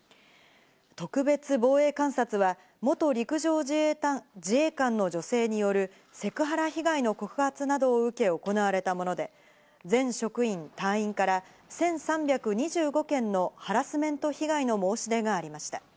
特別防衛監察は、元陸上自衛官の女性によるセクハラ被害の告発などを受け行われたもので、全職員・隊員から１３２５件のハラスメント被害の申し出がありました。